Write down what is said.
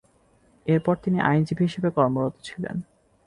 এরপর তিনি আইনজীবী হিসেবে কর্মরত ছিলেন।